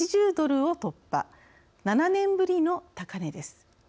７年ぶりの高値です。